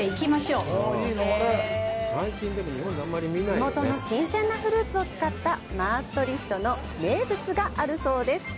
地元の新鮮なフルーツを使ったマーストリヒトの名物があるそうです！